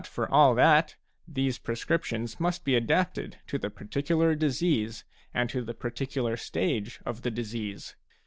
for all that, these prescriptions must be adapted to the particular disease and to the particular stage of the disease.